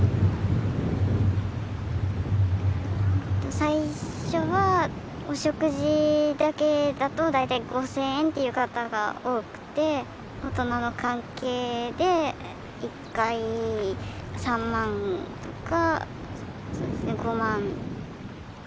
最初はお食事だけだと大体５，０００円っていう方が多くて大人の関係で１回３万とか５万。